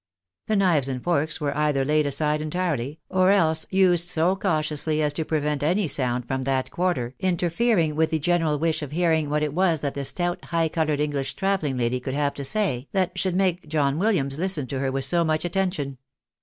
The knives and forks were either laid aside entirely, or else used so cautiously as to prevent any sound from that quarter interfering with the general wish of hearing what it was that the stout, high coloured Enghsh travelling lady could have to say that sliould make John Williams listen to her with so much attention.